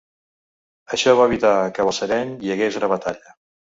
Això va evitar que a Balsareny hi hagués una batalla.